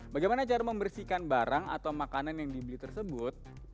bagaimana cara membersihkan barang atau makanan yang dibeli tersebut